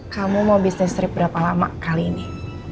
kamu mau bisnis trip berapa lama kali ini